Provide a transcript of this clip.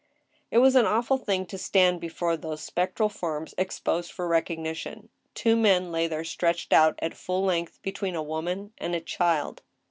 It was an awful thing to stand before those spectral forms ex posed for recognition. Two men lay there stretched out at full length between a woman and a child.